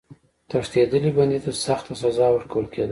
تښتېدلي بندي ته سخته سزا ورکول کېده.